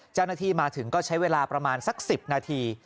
เจ้าหน้าที่มาถึงก็ใช้เวลาประมาณสัก๑๐นาที